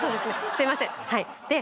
すいません。